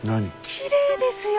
きれいですよ。